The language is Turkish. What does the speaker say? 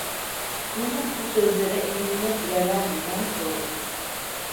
Nihat bu sözlere ehemmiyet bile vermeden sordu: